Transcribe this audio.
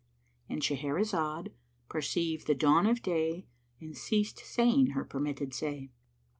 —And Shahrazad perceived the dawn of day and ceased saying her permitted say.